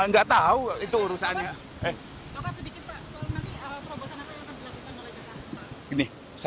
bapak sedikit pak soal nanti terobosan apa yang akan dilakukan oleh jasa